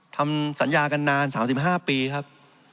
ทำสัญญากันนาน๓๕ปีครับ